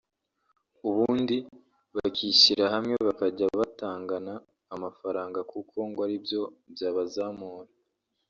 ubundi bakishyira hamwe bakajya batangana amafaranga kuko ngo aribyo byabazamura